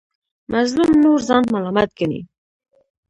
مظلوم نور ځان ملامت ګڼي.